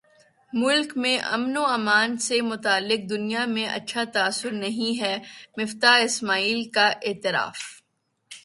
ملک میں امن امان سے متعلق دنیا میں اچھا تاثر نہیں ہے مفتاح اسماعیل کا اعتراف